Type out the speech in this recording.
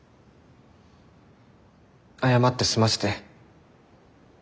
謝って済ませて。